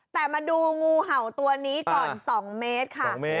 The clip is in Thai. แต่มาดูงูเห่าตัวนี้ก่อน๒เมตรค่ะ